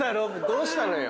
どうしたのよ？